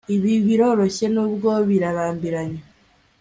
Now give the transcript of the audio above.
Ibi biroroshye nubwo birarambiranye